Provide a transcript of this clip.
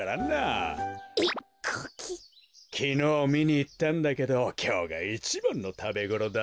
きのうみにいったんだけどきょうがいちばんのたべごろだぞ。